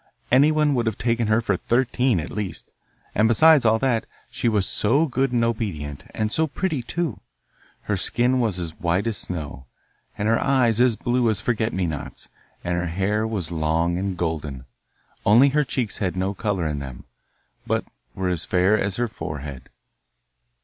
Anyone would have taken her for thirteen at least! And, besides all that, she was so good and obedient; and so pretty, too! Her skin was as white as snow, her eyes as blue as forget me nots, and her hair was long and golden. Only her cheeks had no colour in them, but were as fair as her forehead.